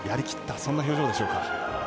そんな表情でしょうか。